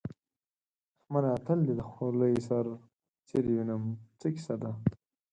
احمده! تل دې د خولۍ سر څيرې وينم؛ څه کيسه ده؟